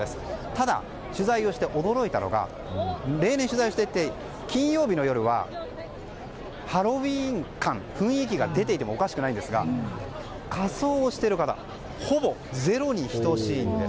ただ、取材をして驚いたのが例年取材していて、金曜日の夜はハロウィーン感雰囲気が出ていてもおかしくないんですが仮装をしている方ほぼゼロに等しいんです。